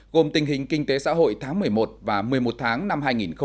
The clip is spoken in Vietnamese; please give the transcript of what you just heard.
gồm tình hình kinh tế xã hội tháng một mươi một và một mươi một tháng năm hai nghìn một mươi chín